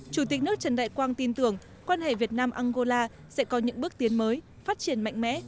chủ tịch nước trần đại quang tin tưởng quan hệ việt nam angola sẽ có những bước tiến mới phát triển mạnh mẽ